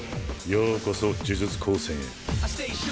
ようこそ呪術高専へ。